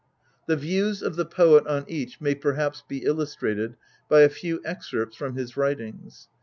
The views of the poet on each may perhaps be illustrated by a few excerpts from his writings.